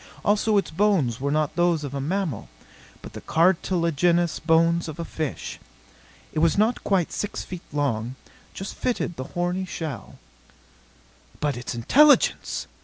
Also its bones were not those of a mammal, but the cartilagenous bones of a fish. It was not quite six feet long; just fitted the horny shell. "But its intelligence!"